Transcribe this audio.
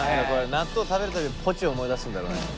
納豆食べる度ぽちを思い出すんだろうね。